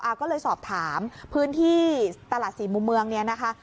ก็เลยสอบถามพื้นที่ตลาดสี่มุมเมืองเนี่ยนะคะ